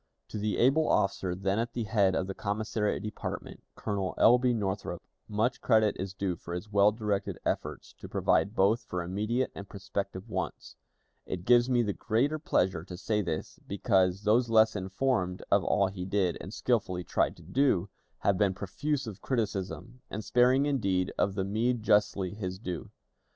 To the able officer then at the head of the commissariat department, Colonel L. B. Northrop, much credit is due for his well directed efforts to provide both for immediate and prospective wants. It gives me the greater pleasure to say this, because those less informed of all he did, and skillfully tried to do, have been profuse of criticism, and sparing indeed of the meed justly his due.